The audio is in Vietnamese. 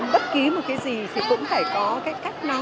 bất kì một cái gì thì cũng phải có cái cách nói